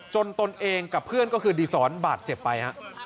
ตนเองกับเพื่อนก็คือดีสอนบาดเจ็บไปฮะ